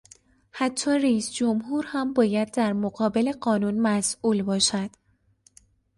حتی رئیسجمهور هم باید در مقابل قانون مسئول باشد.